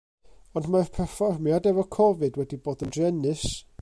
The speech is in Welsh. Ond mae'r perfformiad efo Covid wedi bod yn druenus.